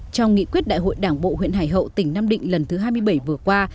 trong nghị quyết đại hội đảng bộ huyện hải hậu tỉnh nam định lần thứ hai mươi bảy vừa qua